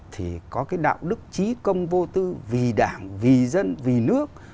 thì có cái đạo đức trí công vô tư vì đảng vì dân vì nước